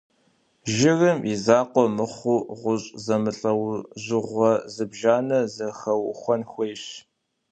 Жырым и закъуэ мыхъуу, гъущӏ зэмылӏэужьыгъуэ зыбжанэ зэхэухуэнэн хуейщ.